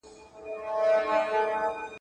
سالم ذهن فشار نه راوړي.